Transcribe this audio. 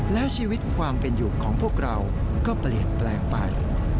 แล้วชีวิตความเป็นอยู่ของพวกเราก็เปลี่ยนแปลงไป